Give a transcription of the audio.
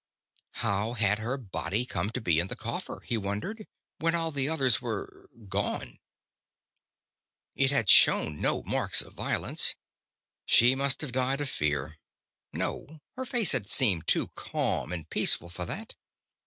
How had her body come to be in the coffer, he wondered, when all the others were gone? It had shown no marks of violence. She must have died of fear. No, her face had seemed too calm and peaceful for that.